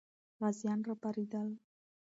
غازیان راپارېدل.